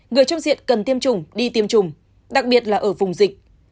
người trong diện cần tiêm chủng đi tiêm chủng đặc biệt là ở vùng dịch